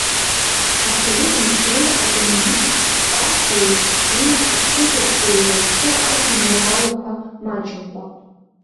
Асовет мчреи, акоммунисттә партиеи, уи аԥызацәеи ирызку ажәеинраалақәа маҷымкәа.